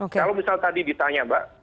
kalau misal tadi ditanya mbak